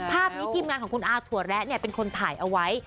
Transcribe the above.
ภาพนี้ทีมงานของคุณอาถั่วแระเป็นคนถ่ายเอาไว้